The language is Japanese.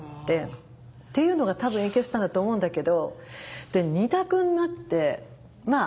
っていうのが多分影響したんだと思うんだけど。